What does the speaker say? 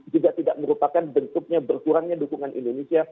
juga tidak merupakan bentuknya berkurangnya dukungan indonesia